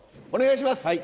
お願いします